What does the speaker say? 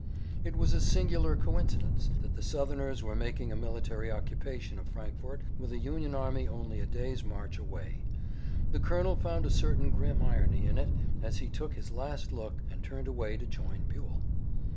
It was a singular coincidence that the Southerners were making a military occupation of Frankfort with a Union army only a day's march away. The colonel found a certain grim irony in it as he took his last look and turned away to join Buell.